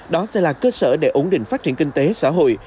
đó sẽ là cơ sở để ổn định phát triển kinh tế xã hội